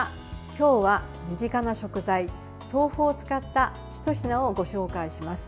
今日は身近な食材豆腐をつかったひと品をご紹介します。